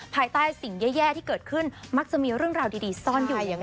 ภายใต้สิ่งแย่ที่เกิดขึ้นมักจะมีเรื่องราวดีซ่อนอยู่